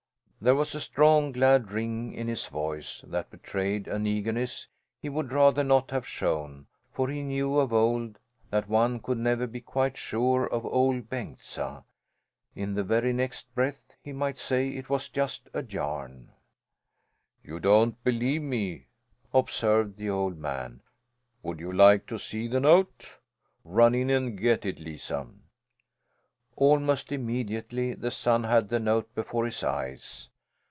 There was a strong, glad ring in his voice, that betrayed an eagerness he would rather not have shown, for he knew of old that one could never be quite sure of Ol' Bengtsa in the very next breath he might say it was just a yarn. "You don't believe me," observed the old man. "Would you like to see the note? Run in and get it, Lisa!" Almost immediately the son had the note before his eyes.